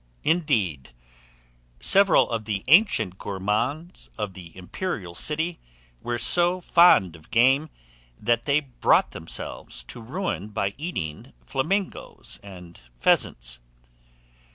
Indeed, several of the ancient gourmands of the "imperial city" were so fond of game, that they brought themselves to ruin by eating flamingoes and pheasants.